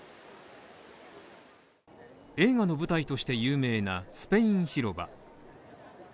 映画の舞台として有名なスペイン広場。